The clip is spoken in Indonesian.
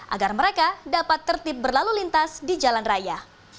agar mereka dapat tertib berlalu lintas di jalan raya